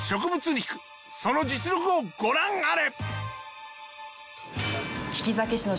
肉その実力をご覧あれ！